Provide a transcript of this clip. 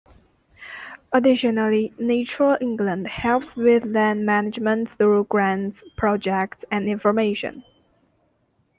Additionally Natural England helps with land management through grants, projects and information.